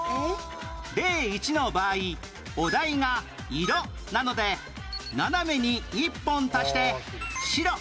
例１の場合お題が色なので斜めに１本足して白